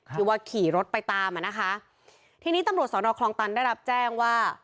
ที่ว่าขี่รถไปตามอ่ะนะคะทีนี้ตำรวจสอนอคลองตันได้รับแจ้งว่า